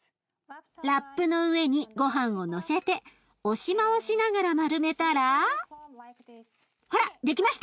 ラップの上にごはんをのせて押し回しながら丸めたらほら出来ました。